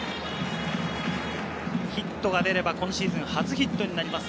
ヒットが出れば、今シーズン初ヒットとなります